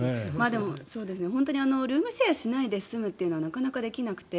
でも本当にルームシェアしないで住むというのはなかなかできなくて。